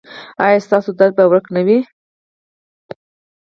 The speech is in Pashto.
ایا ستاسو درد به ورک نه وي؟